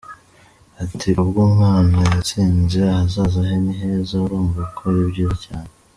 Ati” Ubwo umwana yatsinze, ahazaza he ni heza, urumva ko ari byiza cyane.